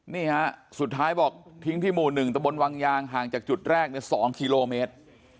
นี่ฮะสุดท้ายบอกทิ้งที่หมู่๑ตะบนวังยางห่างจากจุดแรก๒กิโลเมตร